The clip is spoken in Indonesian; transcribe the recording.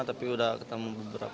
tapi udah ketemu beberapa